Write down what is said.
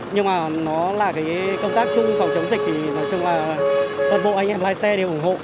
nhưng mà nó là cái công tác chung phòng chống dịch thì nói chung là toàn bộ anh em lái xe đều ủng hộ